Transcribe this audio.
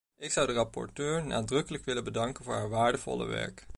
Ik zou de rapporteur nadrukkelijk willen bedanken voor haar waardevolle werk.